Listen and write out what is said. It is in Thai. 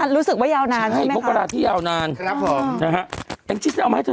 รู้สึกว่ายาวนานใช่มั้ยครับ